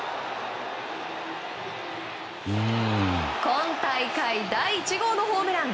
今大会第１号のホームラン。